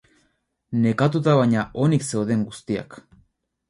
Nekatuta baina onik zeuden guztiak.